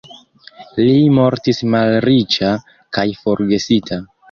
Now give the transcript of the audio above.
Li mortis malriĉa kaj forgesita.